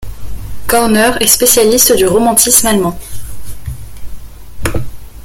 Körner est spécialiste du romantisme allemand.